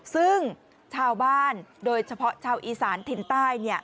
ซึ่งชาวบ้านโดยเฉพาะชาวอีสานถิ่นใต้